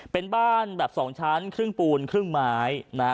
เป็นบ้านแบบ๒ชั้นครึ่งปูนครึ่งไม้นะฮะ